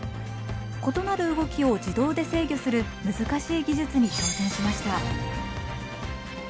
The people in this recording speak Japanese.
異なる動きを自動で制御する難しい技術に挑戦しました。